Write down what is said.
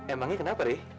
emangnya kenapa ri